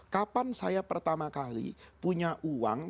kapan saya pertama kali punya uang